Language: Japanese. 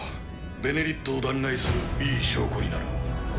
「ベネリット」を弾劾するいい証拠になる。